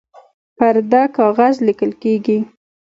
پر ده کاغذ لیکل کیږي